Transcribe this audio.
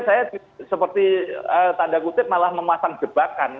saya seperti tanda kutip malah memasang jebakan